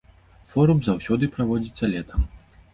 Форум заўсёды праводзіцца летам.